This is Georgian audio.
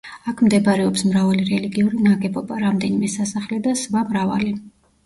აქ მდებარეობს მრავალი რელიგიური ნაგებობა, რამდენიმე სასახლე და სვა მრავალი.